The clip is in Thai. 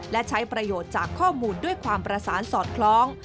และใช้ประโยชน์จากข้อมูลด้วยความประสานสอดคล้อง